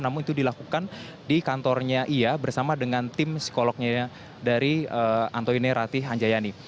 namun itu dilakukan di kantornya ia bersama dengan tim psikolognya dari antoine ratih hanjayani